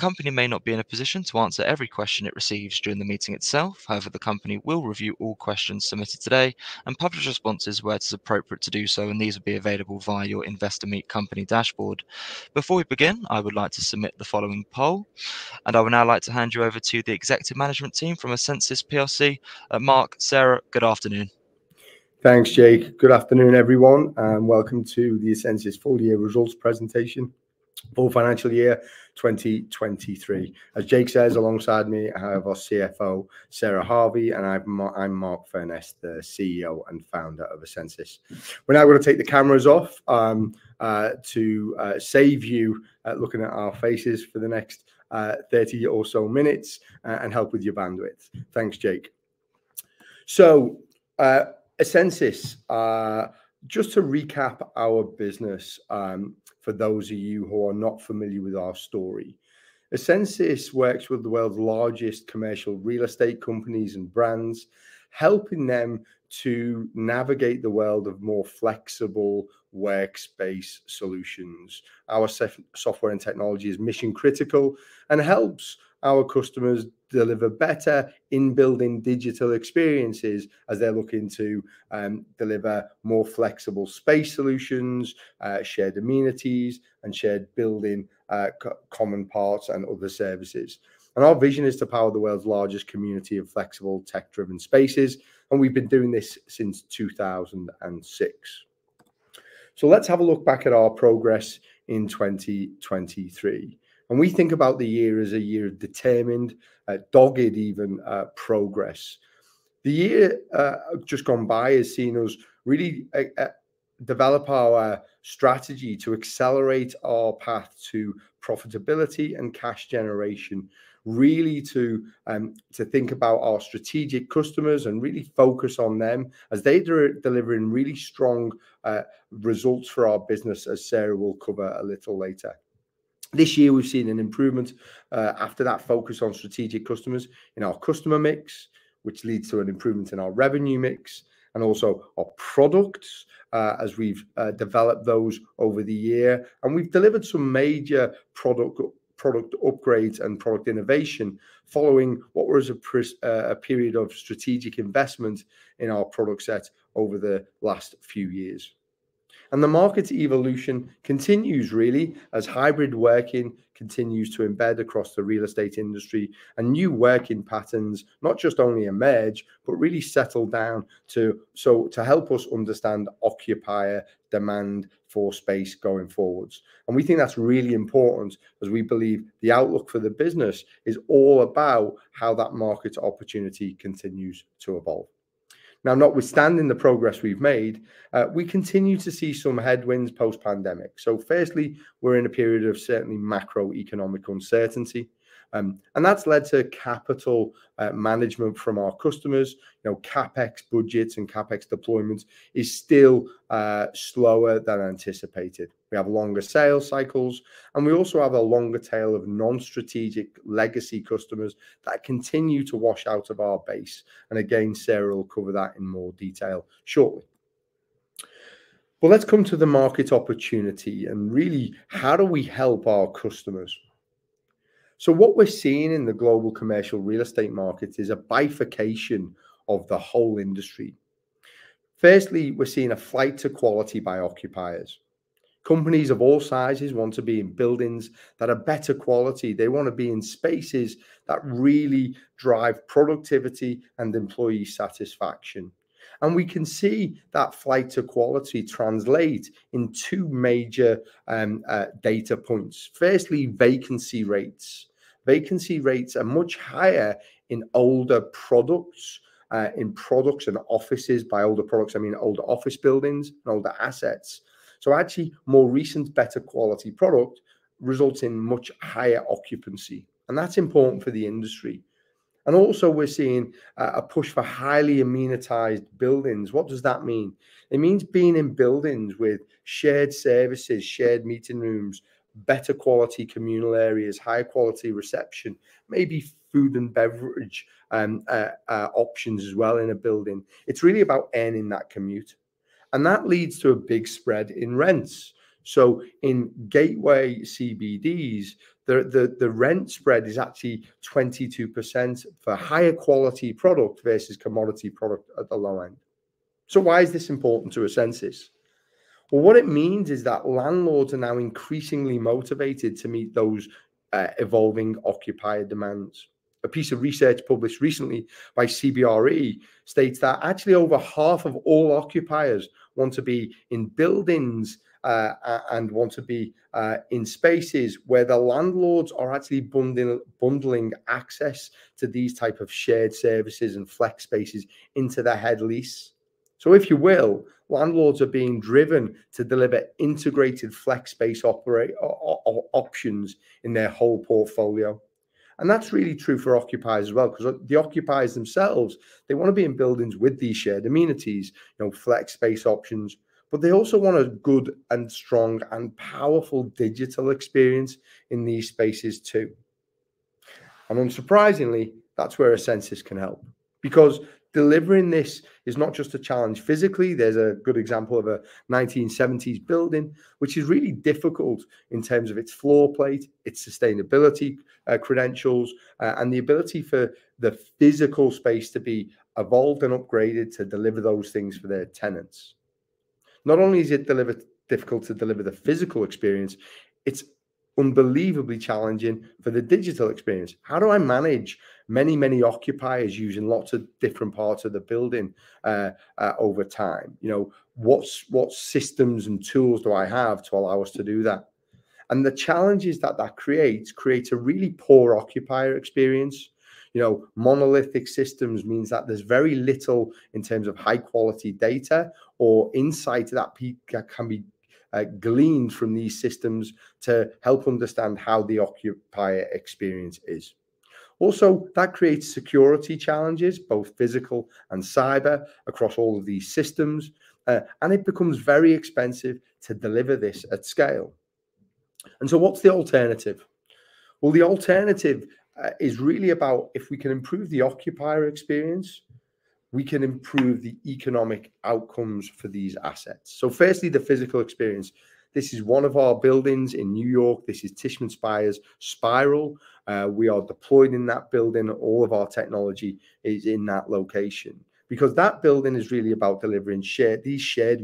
The company may not be in a position to answer every question it receives during the meeting itself. However, the company will review all questions submitted today and publish responses where it's appropriate to do so, and these will be available via your Investor Meet Company dashboard. Before we begin, I would like to submit the following poll, and I would now like to hand you over to the executive management team from Essensys plc. Mark, Sarah, good afternoon. Thanks, Jake. Good afternoon, everyone, and welcome to the Essensys full year results presentation for financial year 2023. As Jake says, alongside me, I have our CFO, Sarah Harvey, and I'm Mark Furness, the CEO and founder of Essensys. We're now gonna take the cameras off, to save you looking at our faces for the next 30 or so minutes, and help with your bandwidth. Thanks, Jake. So, Essensys, just to recap our business, for those of you who are not familiar with our story. essensys works with the world's largest commercial real estate companies and brands, helping them to navigate the world of more flexible workspace solutions. Our software and technology is mission-critical and helps our customers deliver better in-building digital experiences as they're looking to deliver more flexible space solutions, shared amenities, and shared building common parts, and other services. Our vision is to power the world's largest community of flexible, tech-driven spaces, and we've been doing this since 2006. Let's have a look back at our progress in 2023, and we think about the year as a year of determined, dogged even, progress. The year just gone by has seen us really develop our strategy to accelerate our path to profitability and cash generation. Really to think about our strategic customers and really focus on them, as they're delivering really strong results for our business, as Sarah will cover a little later. This year, we've seen an improvement after that focus on strategic customers in our customer mix, which leads to an improvement in our revenue mix, and also our products as we've developed those over the year. We've delivered some major product upgrades and product innovation following what was a period of strategic investment in our product set over the last few years. The market evolution continues really, as hybrid working continues to embed across the real estate industry, and new working patterns, not just only emerge, but really settle down to... So to help us understand occupier demand for space going forwards. We think that's really important as we believe the outlook for the business is all about how that market opportunity continues to evolve. Now, notwithstanding the progress we've made, we continue to see some headwinds post-pandemic. So firstly, we're in a period of certainly macroeconomic uncertainty, and that's led to capital management from our customers. You know, CapEx budgets and CapEx deployments is still slower than anticipated. We have longer sales cycles, and we also have a longer tail of non-strategic legacy customers that continue to wash out of our base. And again, Sarah will cover that in more detail shortly. Well, let's come to the market opportunity and really, how do we help our customers? So what we're seeing in the global commercial real estate market is a bifurcation of the whole industry. Firstly, we're seeing a flight to quality by occupiers. Companies of all sizes want to be in buildings that are better quality. They wanna be in spaces that really drive productivity and employee satisfaction. We can see that flight to quality translate in 2 major data points. Firstly, vacancy rates. Vacancy rates are much higher in older products, in products and offices. By older products, I mean older office buildings and older assets. Actually, more recent, better quality product results in much higher occupancy, and that's important for the industry. Also, we're seeing a push for highly amenitized buildings. What does that mean? It means being in buildings with shared services, shared meeting rooms, better quality communal areas, high-quality reception, maybe food and beverage options as well in a building. It's really about ending that commute, and that leads to a big spread in rents. In gateway CBDs, the rent spread is actually 22% for higher quality product versus commodity product at the low end. So why is this important to Essensys? Well, what it means is that landlords are now increasingly motivated to meet those, evolving occupier demands. A piece of research published recently by CBRE states that actually, over half of all occupiers want to be in buildings, and want to be, in spaces where the landlords are actually bundling access to these type of shared services and flex spaces into their head lease. So if you will, landlords are being driven to deliver integrated flex space options in their whole portfolio, and that's really true for occupiers as well. 'Cause the occupiers themselves, they wanna be in buildings with these shared amenities, you know, flex space options, but they also want a good, and strong, and powerful digital experience in these spaces, too. And unsurprisingly, that's where Essensys can help. Because delivering this is not just a challenge physically, there's a good example of a 1970s building, which is really difficult in terms of its floor plate, its sustainability credentials, and the ability for the physical space to be evolved and upgraded to deliver those things for their tenants. Not only is it difficult to deliver the physical experience, it's unbelievably challenging for the digital experience. How do I manage many, many occupiers using lots of different parts of the building over time? You know, what systems and tools do I have to allow us to do that? And the challenges that that creates, creates a really poor occupier experience. You know, monolithic systems means that there's very little in terms of high-quality data or insight to that peak that can be gleaned from these systems to help understand how the occupier experience is. Also, that creates security challenges, both physical and cyber, across all of these systems, and it becomes very expensive to deliver this at scale. So what's the alternative? Well, the alternative is really about if we can improve the occupier experience, we can improve the economic outcomes for these assets. So firstly, the physical experience. This is one of our buildings in New York. This is Tishman Speyer's Spiral. We are deployed in that building. All of our technology is in that location. Because that building is really about delivering shared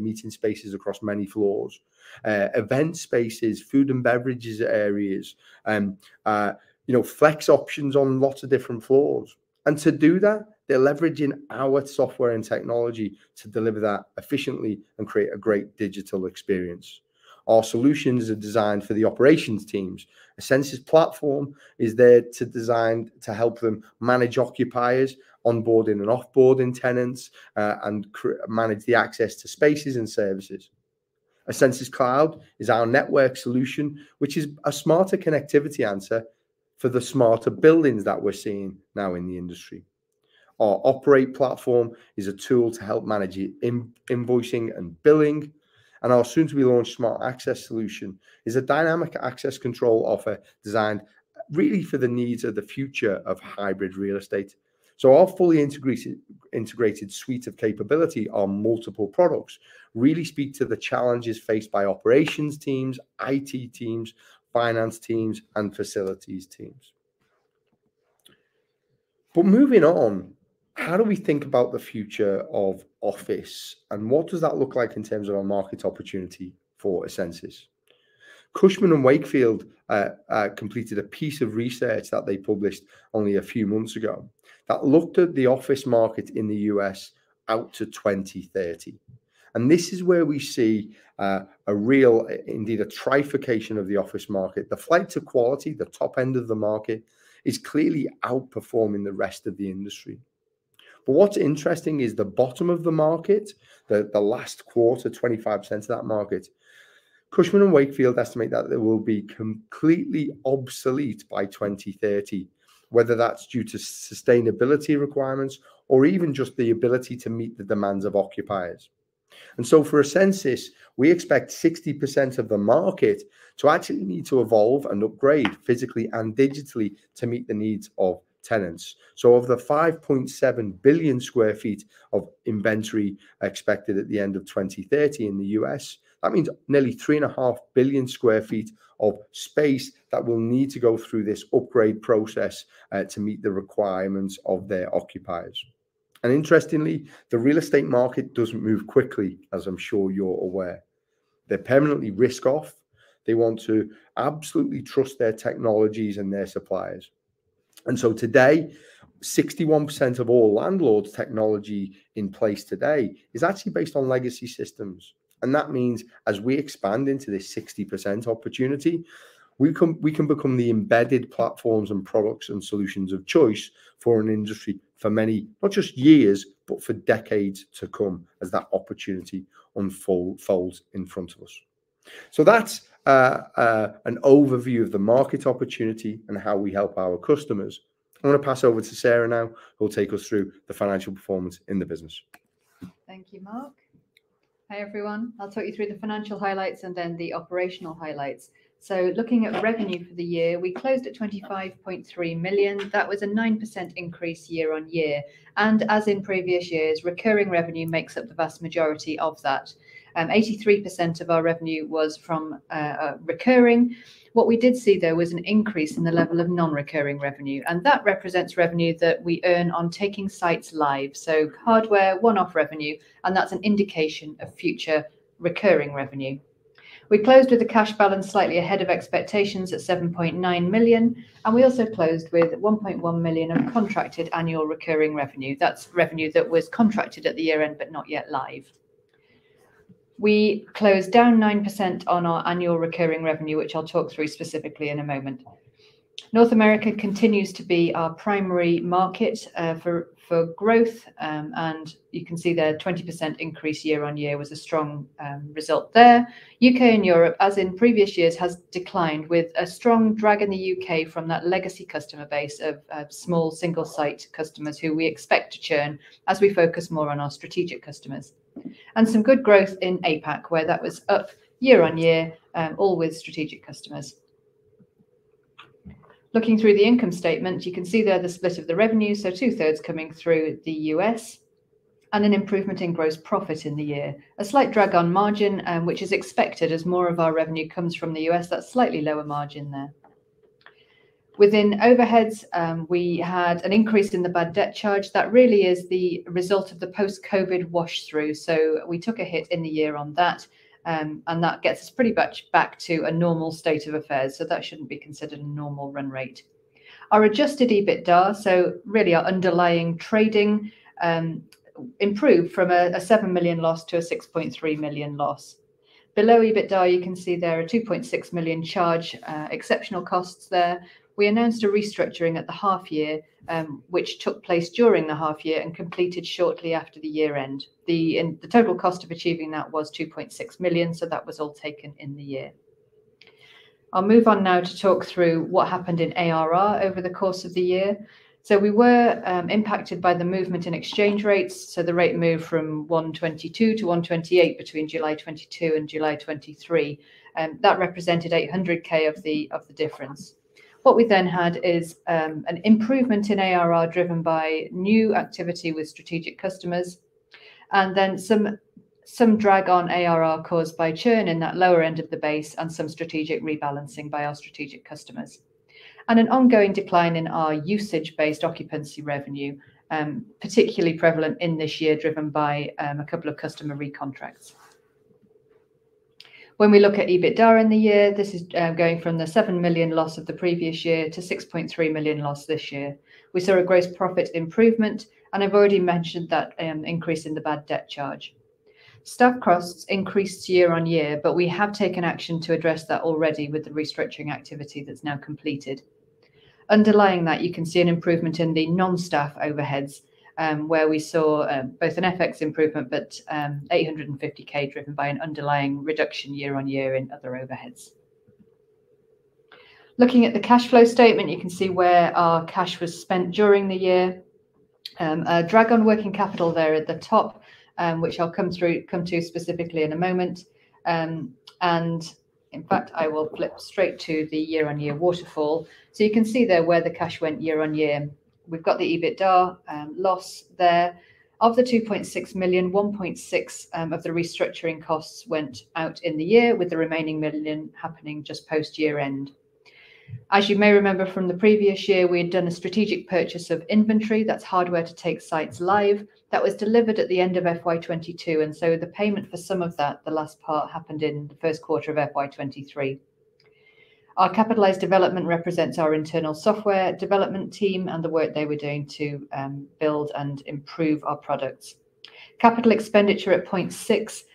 meeting spaces across many floors, event spaces, food and beverages areas, you know, flex options on lots of different floors. And to do that, they're leveraging our software and technology to deliver that efficiently and create a great digital experience. Our solutions are designed for the operations teams. Essensys Platform is designed to help them manage occupiers, onboarding and off-boarding tenants, and manage the access to spaces and services. Essensys Cloud is our network solution, which is a smarter connectivity answer for the smarter buildings that we're seeing now in the industry. Our Operate platform is a tool to help manage invoicing and billing, and our soon-to-be-launched Smart Access solution is a dynamic access control offer designed really for the needs of the future of hybrid real estate. So our fully integrated, integrated suite of capability on multiple products really speak to the challenges faced by operations teams, IT teams, finance teams, and facilities teams. But moving on, how do we think about the future of office, and what does that look like in terms of our market opportunity for Essensys? Cushman & Wakefield completed a piece of research that they published only a few months ago, that looked at the office market in the U.S. out to 2030. And this is where we see a real, indeed, a trifurcation of the office market. The flight to quality, the top end of the market, is clearly outperforming the rest of the industry. What's interesting is the bottom of the market, the last quarter, 25% of that market, Cushman & Wakefield estimate that they will be completely obsolete by 2030, whether that's due to sustainability requirements or even just the ability to meet the demands of occupiers. For Essensys, we expect 60% of the market to actually need to evolve and upgrade physically and digitally to meet the needs of tenants. Of the 5.7 billion sq ft of inventory expected at the end of 2030 in the U.S., that means nearly 3.5 billion sq ft of space that will need to go through this upgrade process to meet the requirements of their occupiers. Interestingly, the real estate market doesn't move quickly, as I'm sure you're aware. They're permanently risk off. They want to absolutely trust their technologies and their suppliers. And so today, 61% of all landlords' technology in place today is actually based on legacy systems. And that means as we expand into this 60% opportunity, we can, we can become the embedded platforms, and products, and solutions of choice for an industry for many, not just years, but for decades to come, as that opportunity unfolds in front of us. So that's an overview of the market opportunity and how we help our customers. I'm going to pass over to Sarah now, who'll take us through the financial performance in the business. Thank you, Mark. Hi, everyone. I'll talk you through the financial highlights and then the operational highlights. So looking at the revenue for the year, we closed at 25.3 million. That was a 9% increase year-over-year, and as in previous years, recurring revenue makes up the vast majority of that. 83% of our revenue was from recurring. What we did see, though, was an increase in the level of non-recurring revenue, and that represents revenue that we earn on taking sites live. So hardware, one-off revenue, and that's an indication of future recurring revenue. We closed with a cash balance slightly ahead of expectations at 7.9 million, and we also closed with 1.1 million of contracted annual recurring revenue. That's revenue that was contracted at the year-end, but not yet live. We closed down 9% on our annual recurring revenue, which I'll talk through specifically in a moment. North America continues to be our primary market for growth, and you can see the 20% increase year-on-year was a strong result there. U.K. and Europe, as in previous years, has declined with a strong drag in the U.K. from that legacy customer base of small single-site customers who we expect to churn as we focus more on our strategic customers. Some good growth in APAC, where that was up year-on-year, all with strategic customers. Looking through the income statement, you can see there the split of the revenue, so two-thirds coming through the U.S., and an improvement in gross profit in the year. A slight drag on margin, which is expected as more of our revenue comes from the U.S. That's slightly lower margin there. Within overheads, we had an increase in the bad debt charge. That really is the result of the post-COVID wash through. So we took a hit in the year on that, and that gets us pretty much back to a normal state of affairs, so that shouldn't be considered a normal run rate. Our adjusted EBITDA, so really our underlying trading, improved from a 7 million loss to a 6.3 million loss. Below EBITDA, you can see there a 2.6 million charge, exceptional costs there. We announced a restructuring at the half year, which took place during the half year and completed shortly after the year end. and the total cost of achieving that was 2.6 million, so that was all taken in the year. I'll move on now to talk through what happened in ARR over the course of the year. So we were impacted by the movement in exchange rates, so the rate moved from 1.22 to 1.28 between July 2022 and July 2023, that represented 800,000 of the difference. What we then had is an improvement in ARR, driven by new activity with strategic customers, and then some drag on ARR caused by churn in that lower end of the base and some strategic rebalancing by our strategic customers. And an ongoing decline in our usage-based occupancy revenue, particularly prevalent in this year, driven by a couple of customer recontracts. When we look at EBITDA in the year, this is going from the 7 million loss of the previous year to 6.3 million loss this year. We saw a gross profit improvement, and I've already mentioned that increase in the bad debt charge. Staff costs increased year-on-year, but we have taken action to address that already with the restructuring activity that's now completed. Underlying that, you can see an improvement in the non-staff overheads, where we saw both an FX improvement, but 850,000, driven by an underlying reduction year-on-year in other overheads. Looking at the cash flow statement, you can see where our cash was spent during the year. A drag on working capital there at the top, which I'll come to specifically in a moment. In fact, I will flip straight to the year-on-year waterfall. So you can see there where the cash went year on year. We've got the EBITDA loss there. Of the 2.6 million, 1.6 million of the restructuring costs went out in the year, with the remaining 1 million happening just post-year end. As you may remember from the previous year, we had done a strategic purchase of inventory. That's hardware to take sites live. That was delivered at the end of FY 2022, and so the payment for some of that, the last part, happened in the first quarter of FY 2023. Our capitalized development represents our internal software development team and the work they were doing to build and improve our products. Capital expenditure at 0.6 million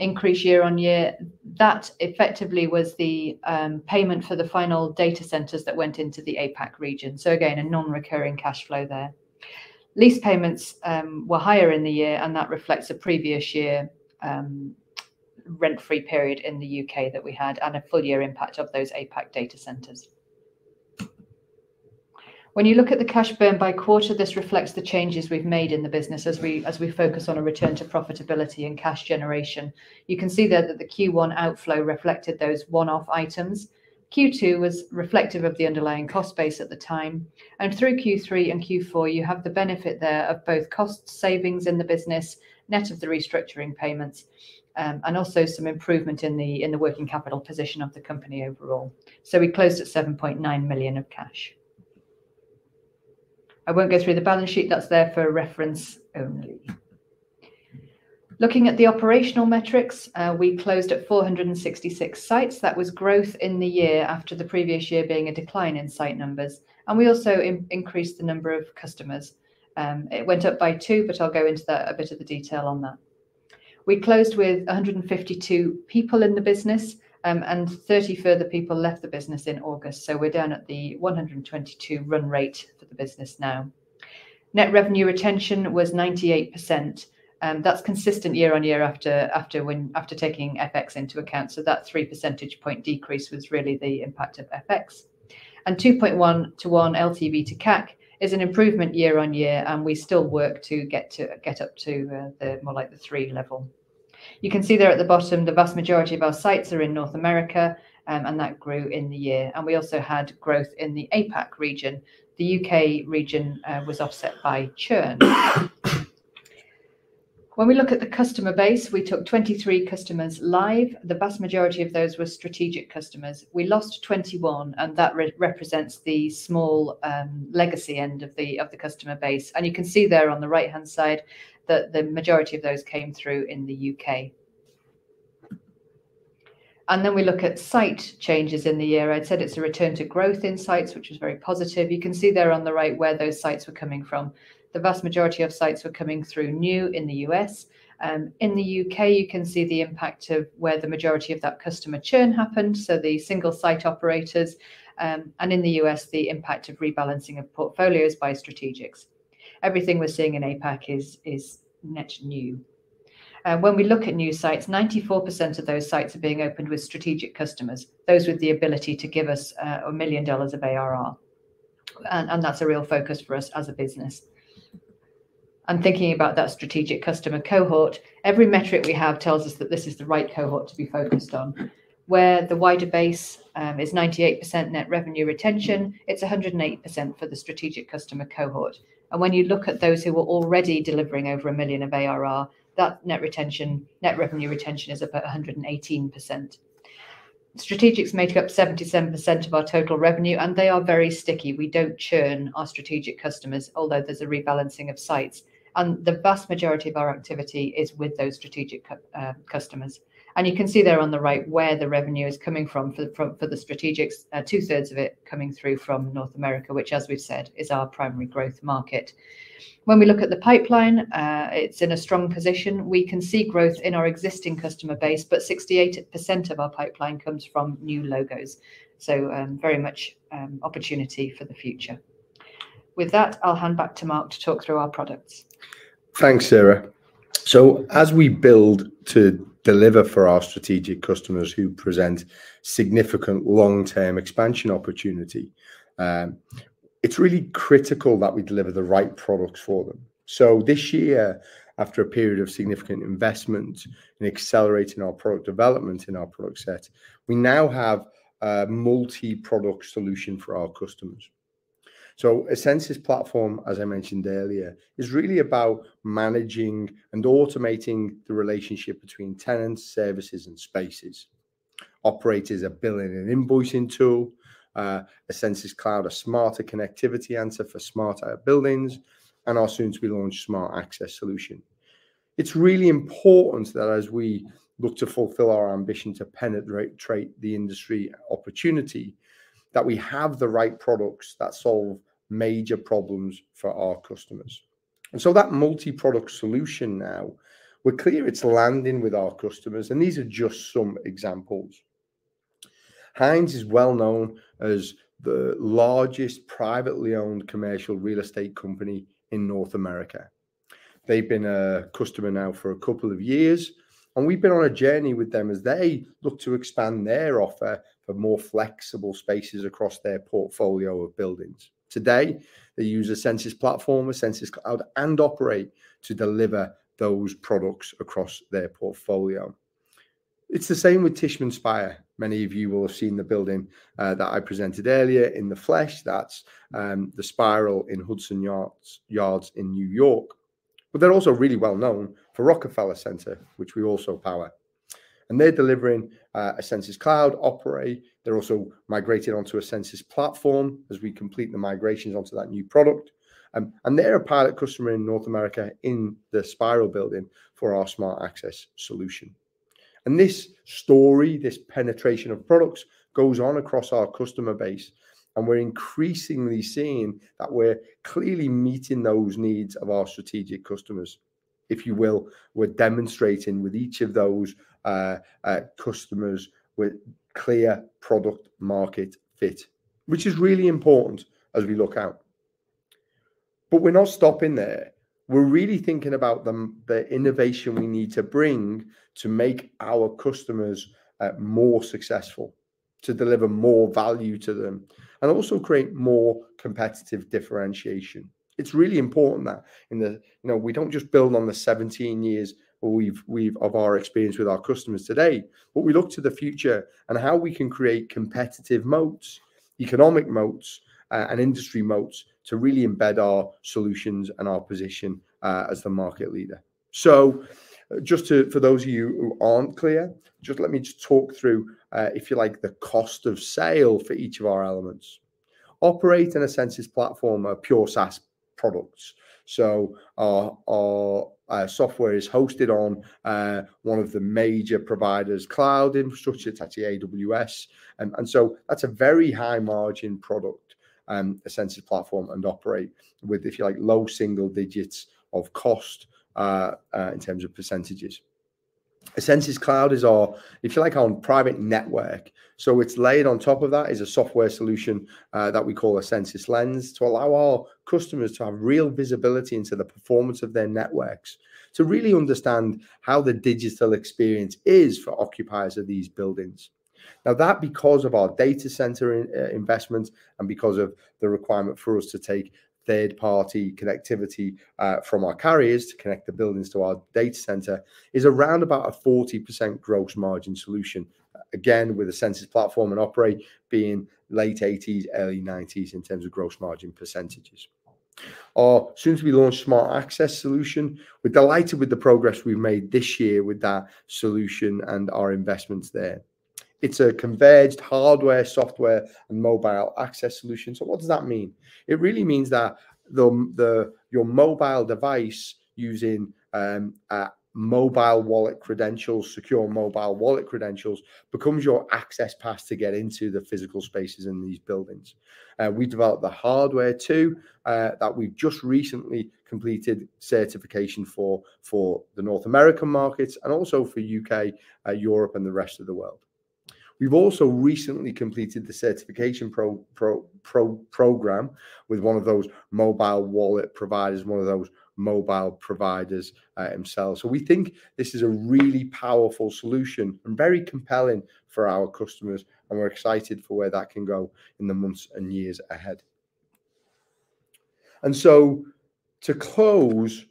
increased year-on-year. That effectively was the payment for the final data centers that went into the APAC region, so again, a non-recurring cash flow there. Lease payments were higher in the year, and that reflects a previous year rent-free period in the UK that we had and a full year impact of those APAC data centers. When you look at the cash burn by quarter, this reflects the changes we've made in the business as we focus on a return to profitability and cash generation. You can see there that the Q1 outflow reflected those one-off items. Q2 was reflective of the underlying cost base at the time, and through Q3 and Q4, you have the benefit there of both cost savings in the business, net of the restructuring payments, and also some improvement in the working capital position of the company overall. So we closed at 7.9 million of cash. I won't go through the balance sheet. That's there for reference only. Looking at the operational metrics, we closed at 466 sites. That was growth in the year after the previous year being a decline in site numbers, and we also increased the number of customers. It went up by two, but I'll go into that, a bit of the detail on that. We closed with 152 people in the business, and 30 further people left the business in August, so we're down at the 122 run rate for the business now. Net revenue retention was 98%, that's consistent year on year after taking FX into account. So that 3 percentage point decrease was really the impact of FX. And 2.1 to 1 LTV to CAC is an improvement year on year, and we still work to get to, get up to the, the more like the three level. You can see there at the bottom, the vast majority of our sites are in North America, and that grew in the year, and we also had growth in the APAC region. The UK region was offset by churn. When we look at the customer base, we took 23 customers live. The vast majority of those were strategic customers. We lost 21, and that represents the small legacy end of the customer base. And you can see there on the right-hand side that the majority of those came through in the UK. And then we look at site changes in the year. I'd said it's a return to growth in sites, which is very positive. You can see there on the right where those sites were coming from. The vast majority of sites were coming through new in the US. In the UK, you can see the impact of where the majority of that customer churn happened, so the single site operators, and in the US, the impact of rebalancing of portfolios by strategics. Everything we're seeing in APAC is net new. When we look at new sites, 94% of those sites are being opened with strategic customers, those with the ability to give us a $1 million of ARR, and that's a real focus for us as a business. I'm thinking about that strategic customer cohort. Every metric we have tells us that this is the right cohort to be focused on. Where the wider base is 98% net revenue retention, it's 108% for the strategic customer cohort. And when you look at those who are already delivering over a $1 million of ARR, that net retention - net revenue retention is about 118%. Strategics make up 77% of our total revenue, and they are very sticky. We don't churn our strategic customers, although there's a rebalancing of sites, and the vast majority of our activity is with those strategic customers. And you can see there on the right where the revenue is coming from for the strategics, two-thirds of it coming through from North America, which, as we've said, is our primary growth market. When we look at the pipeline, it's in a strong position. We can see growth in our existing customer base, but 68% of our pipeline comes from new logos, so, very much, opportunity for the future. With that, I'll hand back to Mark to talk through our products. Thanks, Sarah. So as we build to deliver for our strategic customers who present significant long-term expansion opportunity, it's really critical that we deliver the right products for them. So this year, after a period of significant investment in accelerating our product development in our product set, we now have a multi-product solution for our customers. So Essensys Platform, as I mentioned earlier, is really about managing and automating the relationship between tenants, services, and spaces. Operate is a billing and invoicing tool, Essensys Cloud, a smarter connectivity answer for smarter buildings, and our soon-to-be-launched Smart Access solution. It's really important that as we look to fulfill our ambition to penetrate the industry opportunity, that we have the right products that solve major problems for our customers. And so that multi-product solution now, we're clear it's landing with our customers, and these are just some examples. Hines is well known as the largest privately owned commercial real estate company in North America. They've been a customer now for a couple of years, and we've been on a journey with them as they look to expand their offer for more flexible spaces across their portfolio of buildings. Today, they use Essensys Platform, Essensys Cloud, and Operate to deliver those products across their portfolio. It's the same with Tishman Speyer. Many of you will have seen the building that I presented earlier in the flesh. That's the Spiral in Hudson Yards in New York. But they're also really well known for Rockefeller Center, which we also power. And they're delivering Essensys Cloud, Operate. They're also migrating onto Essensys Platform as we complete the migrations onto that new product. And they're a pilot customer in North America, in The Spiral building, for our Smart Access solution. And this story, this penetration of products, goes on across our customer base, and we're increasingly seeing that we're clearly meeting those needs of our strategic customers. If you will, we're demonstrating with each of those customers with clear product-market fit, which is really important as we look out. But we're not stopping there. We're really thinking about the innovation we need to bring to make our customers more successful, to deliver more value to them, and also create more competitive differentiation. It's really important that in the You know, we don't just build on the 17 years, but we've of our experience with our customers today, but we look to the future and how we can create competitive moats, economic moats, and industry moats to really embed our solutions and our position as the market leader. So just to—for those of you who aren't clear, just let me just talk through, if you like, the cost of sale for each of our elements. Operate and Essensys Platform are pure SaaS products. So our software is hosted on one of the major providers' cloud infrastructure, that's AWS. And so that's a very high-margin product, Essensys Platform and Operate with, if you like, low single digits of cost in terms of percentages. Essensys Cloud is our, if you like, our private network. So it's layered on top of that is a software solution that we call Essensys Lens, to allow our customers to have real visibility into the performance of their networks, to really understand how the digital experience is for occupiers of these buildings. Now that, because of our data center investment and because of the requirement for us to take third-party connectivity from our carriers to connect the buildings to our data center, is around 40% gross margin solution. Again, with Essensys Platform and Operate being late 80s, early 90s in terms of gross margin percentages. Our soon-to-be-launched Smart Access solution, we're delighted with the progress we've made this year with that solution and our investments there. It's a converged hardware, software, and mobile access solution. So what does that mean? It really means that the Your mobile device using a mobile wallet credentials, secure mobile wallet credentials, becomes your access pass to get into the physical spaces in these buildings. We developed the hardware too, that we've just recently completed certification for, for the North American markets and also for UK, Europe, and the rest of the world. We've also recently completed the certification program with one of those mobile wallet providers, one of those mobile providers, themselves. So we think this is a really powerful solution and very compelling for our customers, and we're excited for where that can go in the months and years ahead. And so to close,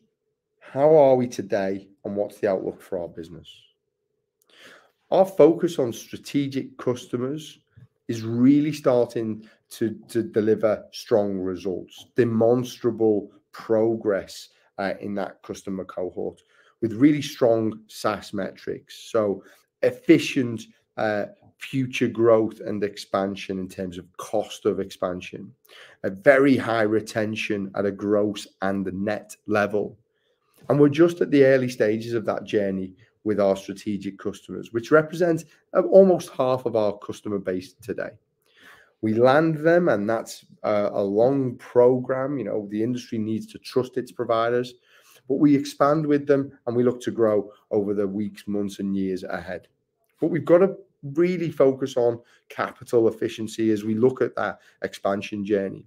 how are we today, and what's the outlook for our business? Our focus on strategic customers is really starting to deliver strong results, demonstrable progress, in that customer cohort with really strong SaaS metrics. So efficient, future growth and expansion in terms of cost of expansion, a very high retention at a gross and a net level. And we're just at the early stages of that journey with our strategic customers, which represents almost half of our customer base today. We land them, and that's a long program. You know, the industry needs to trust its providers, but we expand with them, and we look to grow over the weeks, months, and years ahead. But we've got to really focus on capital efficiency as we look at that expansion journey.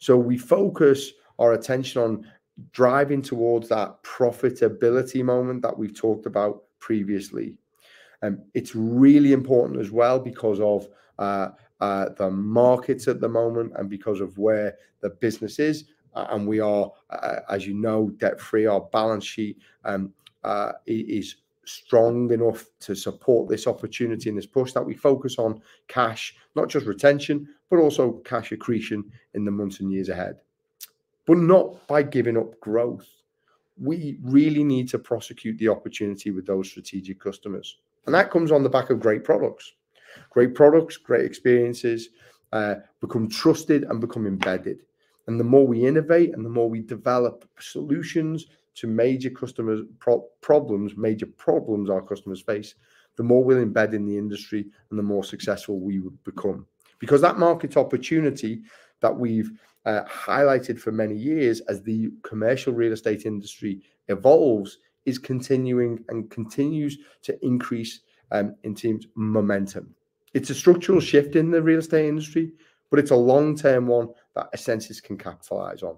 So we focus our attention on driving towards that profitability moment that we've talked about previously. It's really important as well because of the markets at the moment and because of where the business is. And we are, as you know, debt-free. Our balance sheet is strong enough to support this opportunity and this push that we focus on cash, not just retention, but also cash accretion in the months and years ahead, but not by giving up growth. We really need to prosecute the opportunity with those strategic customers, and that comes on the back of great products. Great products, great experiences, become trusted and become embedded. And the more we innovate and the more we develop solutions to major customer problems, major problems our customers face, the more we're embedding the industry and the more successful we would become. Because that market opportunity that we've highlighted for many years as the commercial real estate industry evolves, is continuing and continues to increase, in terms of momentum. It's a structural shift in the real estate industry, but it's a long-term one that Essensys can capitalize on.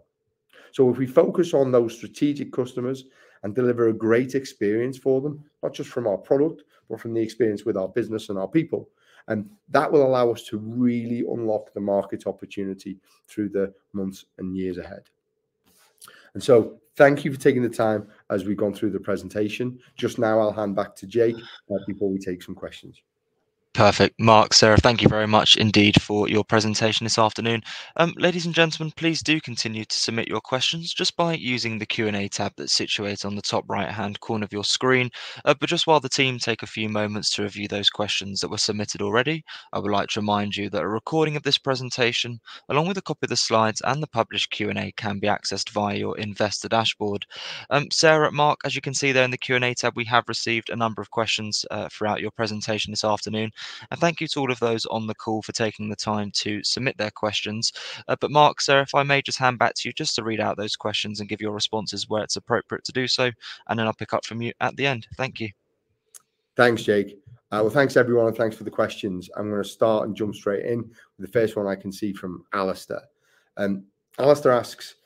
So if we focus on those strategic customers and deliver a great experience for them, not just from our product, but from the experience with our business and our people, and that will allow us to really unlock the market opportunity through the months and years ahead. And so thank you for taking the time as we've gone through the presentation. Just now, I'll hand back to Jake, before we take some questions. Perfect. Mark, Sarah, thank you very much indeed for your presentation this afternoon. Ladies and gentlemen, please do continue to submit your questions just by using the Q&A tab that's situated on the top right-hand corner of your screen. But just while the team take a few moments to review those questions that were submitted already, I would like to remind you that a recording of this presentation, along with a copy of the slides and the published Q&A, can be accessed via your investor dashboard. Sarah, Mark, as you can see there in the Q&A tab, we have received a number of questions throughout your presentation this afternoon. Thank you to all of those on the call for taking the time to submit their questions. But Mark, Sarah, if I may just hand back to you just to read out those questions and give your responses where it's appropriate to do so, and then I'll pick up from you at the end. Thank you. Thanks, Jake. Well, thanks, everyone, and thanks for the questions. I'm gonna start and jump straight in with the first one I can see from Alistair. Alistair asks,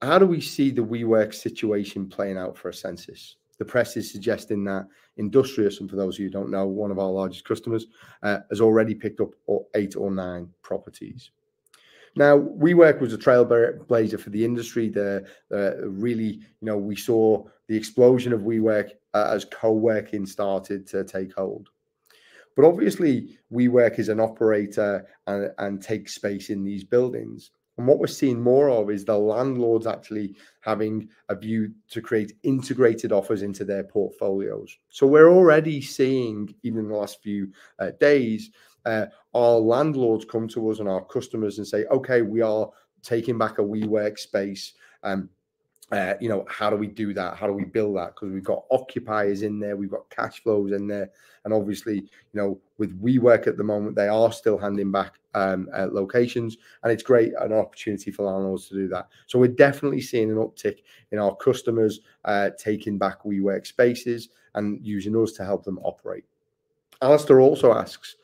"How do we see the WeWork situation playing out for Essensys? The press is suggesting that Industrious," and for those of you who don't know, one of our largest customers, "has already picked up eight or nine properties." Now, WeWork was a trailblazer for the industry there, really, you know, we saw the explosion of WeWork, as co-working started to take hold. But obviously, WeWork is an operator and, and takes space in these buildings, and what we're seeing more of is the landlords actually having a view to create integrated offers into their portfolios. So we're already seeing, even in the last few days, our landlords come to us and our customers and say, "Okay, we are taking back a WeWork space, you know, how do we do that? How do we build that? Because we've got occupiers in there, we've got cash flows in there." And obviously, you know, with WeWork at the moment, they are still handing back locations, and it's great, an opportunity for landlords to do that. So we're definitely seeing an uptick in our customers taking back WeWork spaces and using us to help them operate. Alistair also asks,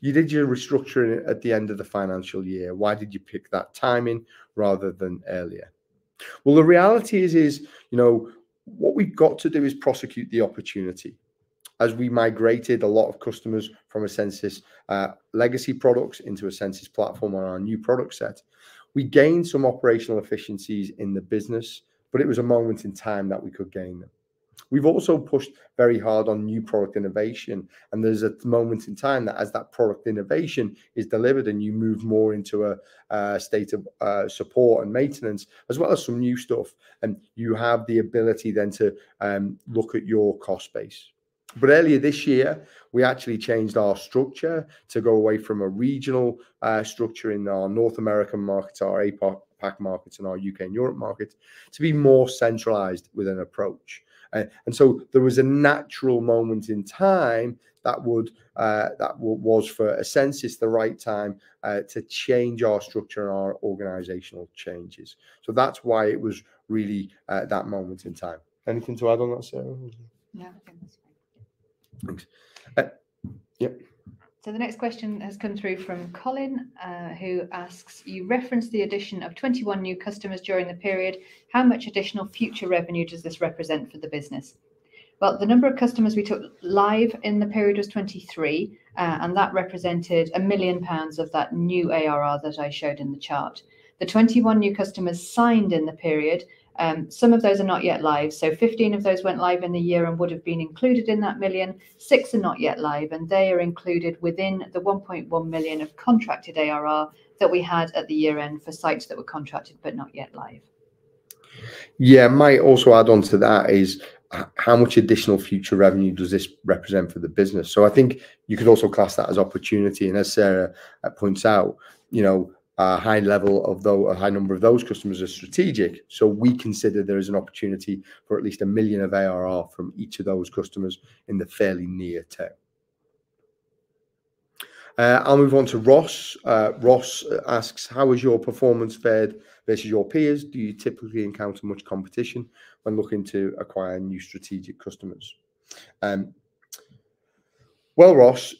"You did your restructuring at the end of the financial year. Why did you pick that timing rather than earlier?" Well, the reality is, is, you know, what we've got to do is prosecute the opportunity. As we migrated a lot of customers from Essensys's legacy products into Essensys Platform on our new product set, we gained some operational efficiencies in the business, but it was a moment in time that we could gain them. We've also pushed very hard on new product innovation, and there's a moment in time that as that product innovation is delivered and you move more into a state of support and maintenance, as well as some new stuff, and you have the ability then to look at your cost base. But earlier this year, we actually changed our structure to go away from a regional structure in our North American markets, our APAC markets, and our UK and Europe markets, to be more centralized with an approach. And so there was a natural moment in time that would, that was, for Ascensus, the right time to change our structure and our organizational changes. So that's why it was really at that moment in time. Anything to add on that, Sarah? Thanks. Yep. So the next question has come through from Colin, who asks: You referenced the addition of 21 new customers during the period. How much additional future revenue does this represent for the business? Well, the number of customers we took live in the period was 23, and that represented 1 million pounds of that new ARR that I showed in the chart. The 21 new customers signed in the period, some of those are not yet live, so 15 of those went live in the year and would have been included in that 1 million. Six are not yet live, and they are included within the 1.1 million of contracted ARR that we had at the year-end for sites that were contracted but not yet live. Yeah, might also add on to that is, how much additional future revenue does this represent for the business? So I think you could also class that as opportunity, and as Sarah points out, you know, a high level of a high number of those customers are strategic, so we consider there is an opportunity for at least 1 million of ARR from each of those customers in the fairly near term. I'll move on to Ross. Ross asks: How has your performance fared versus your peers? Do you typically encounter much competition when looking to acquire new strategic customers? Well, Ross,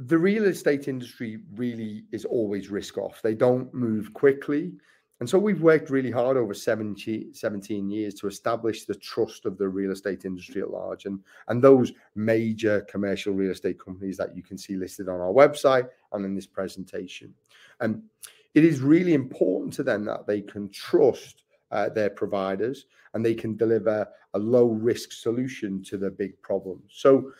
the real estate industry really is always risk off. They don't move quickly, and so we've worked really hard over 17 years to establish the trust of the real estate industry at large, and those major commercial real estate companies that you can see listed on our website and in this presentation. And it is really important to them that they can trust their providers, and they can deliver a low-risk solution to their big problems. So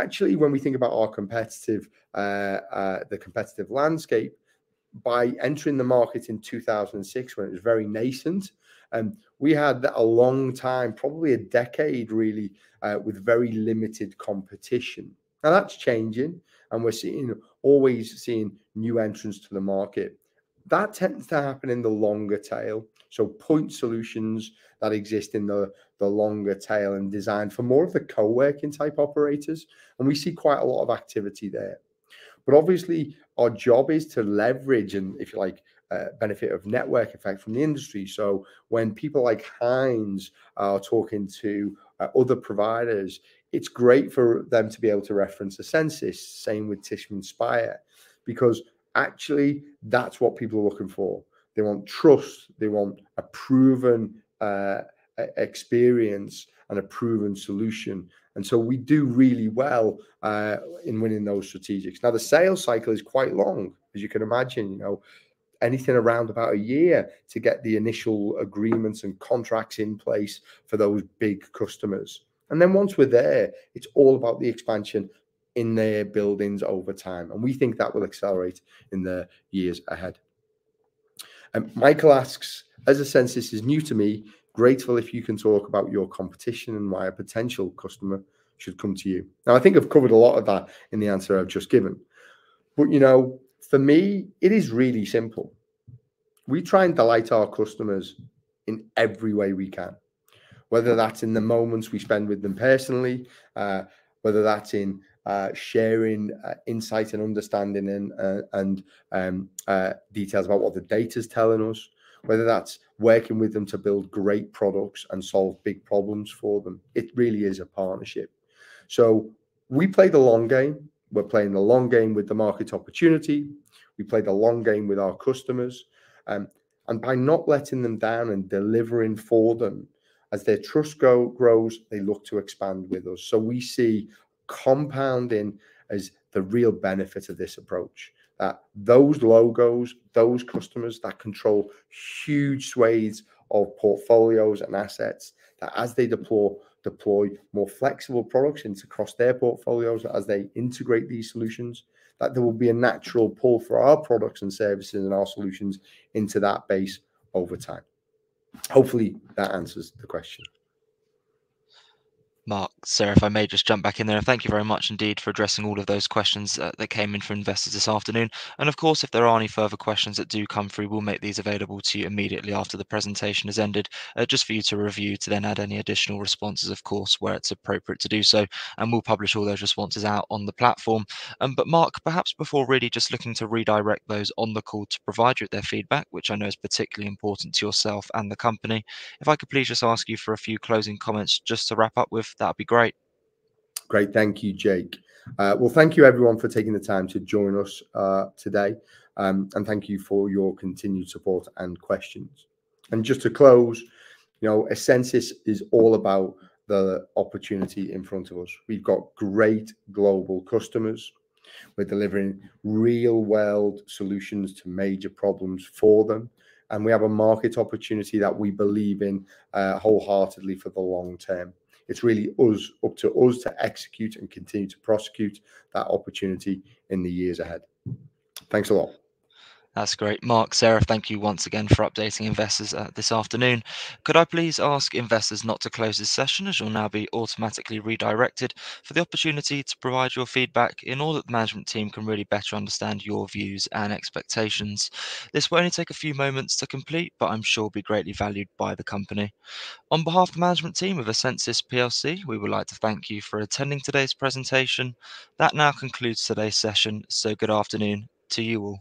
actually, when we think about our competitive, the competitive landscape, by entering the market in 2006, when it was very nascent, we had a long time, probably a decade, really, with very limited competition. Now that's changing, and we're seeing new entrants to the market. That tends to happen in the longer tail, so point solutions that exist in the longer tail and designed for more of the co-working type operators, and we see quite a lot of activity there. But obviously, our job is to leverage and, if you like, a benefit of network effect from the industry. So when people like Hines are talking to other providers, it's great for them to be able to reference Essensys. Same with Tishman Speyer, because actually, that's what people are looking for. They want trust, they want a proven experience and a proven solution, and so we do really well in winning those strategics. Now, the sales cycle is quite long, as you can imagine, you know. Anything around about a year to get the initial agreements and contracts in place for those big customers. And then once we're there, it's all about the expansion in their buildings over time, and we think that will accelerate in the years ahead. Michael asks: As Essensys is new to me, grateful if you can talk about your competition and why a potential customer should come to you. Now, I think I've covered a lot of that in the answer I've just given, but, you know, for me, it is really simple. We try and delight our customers in every way we can, whether that's in the moments we spend with them personally, whether that's in sharing insight and understanding and details about what the data's telling us, whether that's working with them to build great products and solve big problems for them. It really is a partnership. So we play the long game. We're playing the long game with the market opportunity. We play the long game with our customers, and by not letting them down and delivering for them, as their trust grows, they look to expand with us. So we see compounding as the real benefit of this approach, that those logos, those customers that control huge swathes of portfolios and assets, that as they deploy more flexible products into across their portfolios, as they integrate these solutions, that there will be a natural pull for our products and services and our solutions into that base over time. Hopefully, that answers the question. Mark, Sarah, if I may just jump back in there. Thank you very much indeed for addressing all of those questions that came in from investors this afternoon. And, of course, if there are any further questions that do come through, we'll make these available to you immediately after the presentation has ended, just for you to review, to then add any additional responses, of course, where it's appropriate to do so, and we'll publish all those responses out on the platform. But Mark, perhaps before really just looking to redirect those on the call to provide you with their feedback, which I know is particularly important to yourself and the company, if I could please just ask you for a few closing comments just to wrap up with, that'd be great. Great. Thank you, Jake. Well, thank you everyone for taking the time to join us today, and thank you for your continued support and questions. Just to close, you know, Essensys is all about the opportunity in front of us. We've got great global customers. We're delivering real-world solutions to major problems for them, and we have a market opportunity that we believe in wholeheartedly for the long term. It's really up to us to execute and continue to prosecute that opportunity in the years ahead. Thanks a lot. That's great. Mark, Sarah, thank you once again for updating investors this afternoon. Could I please ask investors not to close this session, as you'll now be automatically redirected for the opportunity to provide your feedback in order that the management team can really better understand your views and expectations. This will only take a few moments to complete, but I'm sure will be greatly valued by the company. On behalf of the management team of Essensys plc, we would like to thank you for attending today's presentation. That now concludes today's session, so good afternoon to you all.